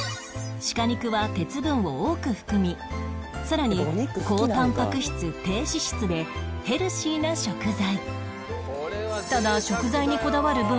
鹿肉は鉄分を多く含みさらに高タンパク質低脂質でヘルシーな食材